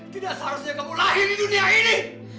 tidak seharusnya kamu lahir di dunia ini